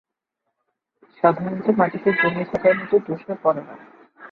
সাধারণত মাটিতে জমে থাকার মতো তুষার পড়ে না।